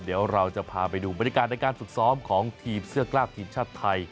เดี๋ยวเราจะพาไปดูบรรยากาศในการฝึกซ้อมของทีมเสื้อกล้าทีมชาติไทย